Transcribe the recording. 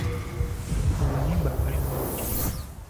Oluyimba Iwali bwe luti.